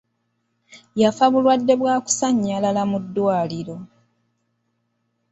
Yafa bulwadde bwa kusannyalala mu ddwaliro.